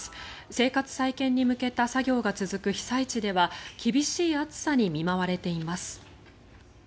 生活再建に向けた作業が続く被災地では厳しい暑さに見舞われています。